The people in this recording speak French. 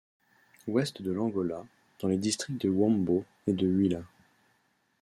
Ouest de l’Angola, dans les districts de Huambo et de Huila.